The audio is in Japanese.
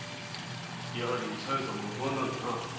やはり小夜さんも不安なんだな